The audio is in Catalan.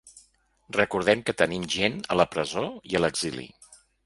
Recordem que tenim gent a la presó i a l’exili.